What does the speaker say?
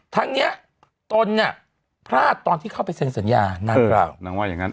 ทั้งเนี้ยตนเนี่ยพลาดตอนที่เข้าไปเซ็นสัญญานางกล่าวนางว่าอย่างงั้น